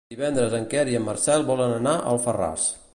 Divendres en Quer i en Marcel volen anar a Alfarràs.